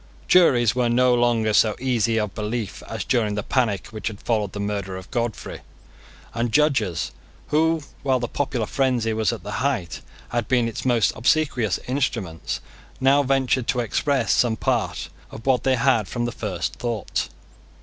Juries were no longer so easy of belief as during the panic which had followed the murder of Godfrey; and Judges, who, while the popular frenzy was at the height, had been its most obsequious instruments, now ventured to express some part of what they had from the first thought.